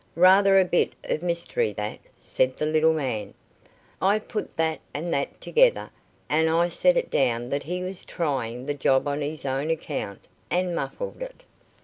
"Rather a bit of mystery, that," said the little man. "I put that and that together, and I set it down that he was trying the job on his own account, and muffed it."